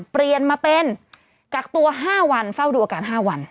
เปลี่ยนมาเป็นกักตัว๕วันเฝ้าดูอาการ๕วัน